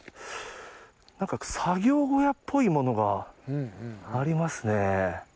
なんか作業小屋っぽいものがありますね。